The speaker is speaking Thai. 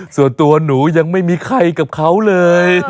ส่วนตัวหนูยังไม่มีไข้กับเขาเลย